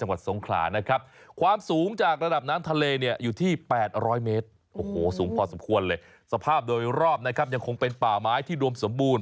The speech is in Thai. ไว้หอบกันจำก่อนเลยสภาพโดยรอบนะครับยังคงเป็นป่าไม้ที่ฝูมีสมบูรณ์